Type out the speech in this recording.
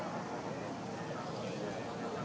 ให้พ่อแจกที่อุ่นหน่อย